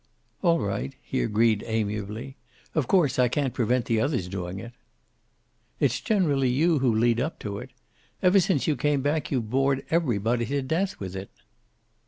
"All right," he agreed amiably. "Of course I can't prevent the others doing it." "It's generally you who lead up to it. Ever since you came back you've bored everybody to death with it."